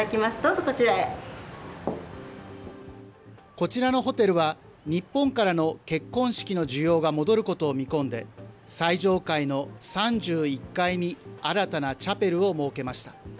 こちらのホテルは、日本からの結婚式の需要が戻ることを見込んで、最上階の３１階に新たなチャペルを設けました。